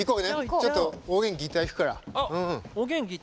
ちょっとギターいただくから。